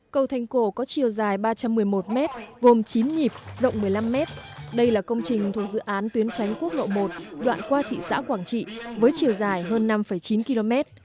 cầu thành cổ có chiều dài ba trăm một mươi một m gồm chín nhịp rộng một mươi năm m đây là công trình thuộc dự án tuyến tránh quốc lộ một đoạn qua thị xã quảng trị với chiều dài hơn năm chín km